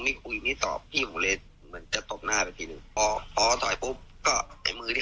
พอปืนลั่นเสร็จปุ๊บเค้าก็ทิ้งปากยิงสานมาฝั่งมึงเลย